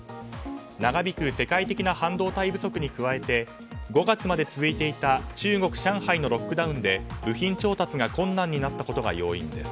長引く世界的な半導体不足に加えて５月まで続いていた中国・上海のロックダウンで部品調達が困難になったことが要因です。